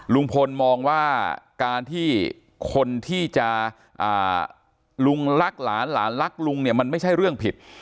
ลุงพลมองว่าการที่คนที่จะลุงรักหลานหลานรักลุงเนี่ยมันไม่ใช่เรื่องผิด